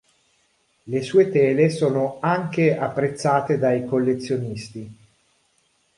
Le sue tele sono anche apprezzate dai collezionisti.